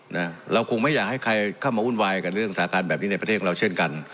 นะเราคงไม่อยากให้ใครเข้ามาวุ่นวายกับเรื่องสาการแบบนี้ในประเทศของเราเช่นกัน